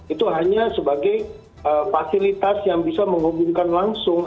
itu hanya sebagai fasilitas yang bisa menghubungkan langsung